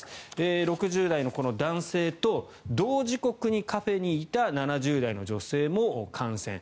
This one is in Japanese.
６０代のこの男性と同時刻にカフェにいた７０代の女性も感染。